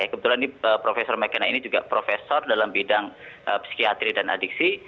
kebetulan ini prof mekena ini juga profesor dalam bidang psikiatri dan adiksi